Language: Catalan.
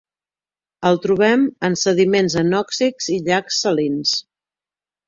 El trobem en sediments anòxics i llacs salins.